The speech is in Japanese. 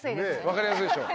わかりやすいでしょ？